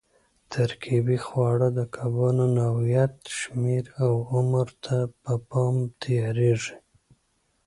ترکیبي خواړه د کبانو نوعیت، شمېر او عمر ته په پام تیارېږي.